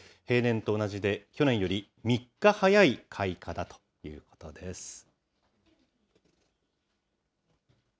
平年と同じで、去年より３日早い開花だということです。